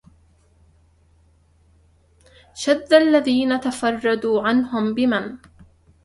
شذ الذين تفردوا عنهم بمن